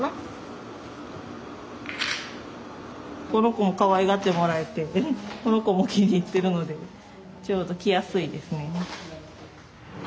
この子もかわいがってもらえてこの子も気に入ってるのでちょうど来やすいですね。